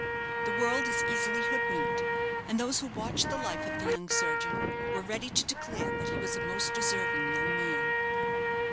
The world is easily hoodwinked; and those who watched the life of the young surgeon were ready to declare that he was a most deserving young man.